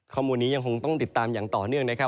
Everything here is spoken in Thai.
ข้อมูลนี้ยังคงต้องติดตามอย่างต่อเนื่องนะครับ